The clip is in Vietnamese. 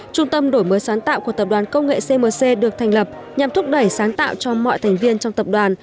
trung tâm đổi mới sáng tạo của tập đoàn công nghệ cmc được thành lập nhằm thúc đẩy sáng tạo cho mọi thành viên trong tập đoàn